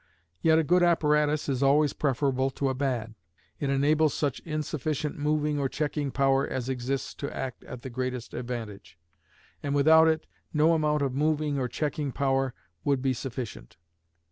Yet a good apparatus is always preferable to a bad. It enables such insufficient moving or checking power as exists to act at the greatest advantage; and without it, no amount of moving or checking power would be sufficient.